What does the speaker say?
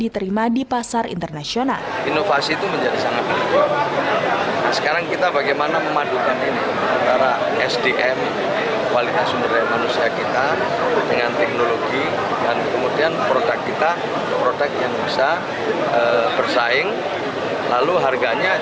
harganya juga besar besar